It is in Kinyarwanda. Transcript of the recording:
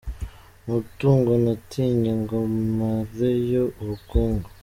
Nta tungo natinye Ngo mareyo ubukungu.